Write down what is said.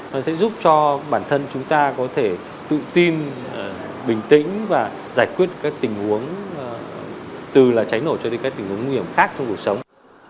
nó sẽ giúp cho bản thân chúng ta có thể tự tin bình tĩnh và giải quyết các tình huống từ cháy nổ cho đến các tình huống nguy hiểm khác trong cuộc sống